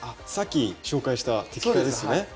さっき紹介した摘果ですね。